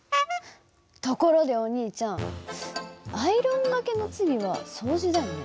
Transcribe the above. ところでお兄ちゃんアイロンがけの次は掃除だよね？